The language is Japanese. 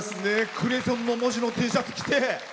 クレソンの文字のＴシャツ着て。